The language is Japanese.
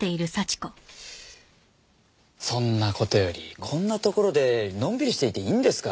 そんな事よりこんなところでのんびりしていていいんですか？